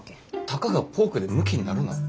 たかがポークでむきになるな。